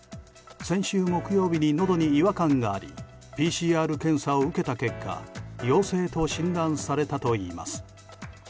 先週木曜日にのどに違和感がありＰＣＲ検査を受けた結果陽性と診断されたといいます。